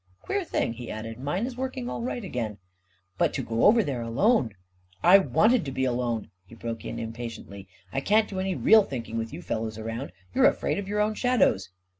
Queer thing," he added; " mine is working all right again." 41 But to go over there alone ..."" I wanted to be alone," he broke in, impatiently. 41 1 can't do any real thinking with you fellows around. You're afraid of your own shadows